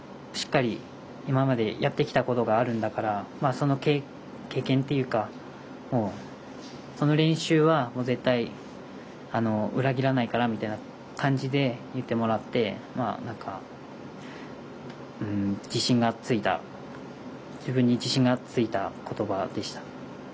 しっかり今までやってきたことがあるんだからその経験というかその練習は絶対、裏切らないからみたいな感じで言ってもらって自分に自信がついたことばでした。